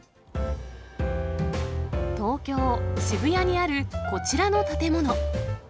東京・渋谷にある、こちらの建物。